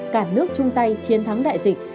cả nước chung tay chiến thắng đại dịch